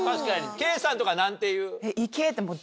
ケイさんとか何て言う？